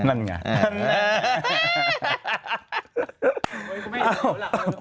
นั่นเนี่ย